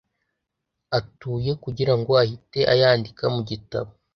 atuye kugira ngo ahite ayandika mu gitabo